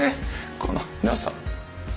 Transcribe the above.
この皆さん。